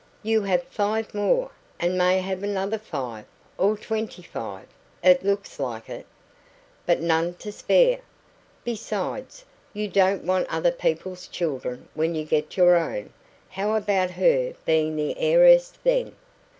"You have five more, and may have another five or twenty five. It looks like it." "But none to spare. Besides, you won't want other people's children when you get your own. How about her being the heiress then?"